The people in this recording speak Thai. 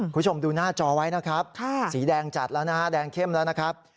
คุณผู้ชมดูหน้าจอไว้นะครับสีแดงจัดแล้วนะฮะแดงเข้มแล้วนะครับ